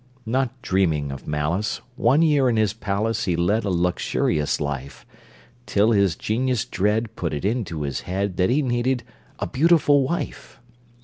Not dreaming of malice, One year in his palace He led a luxurious life, Till his genius dread Put it into his head That he needed a beautiful wife.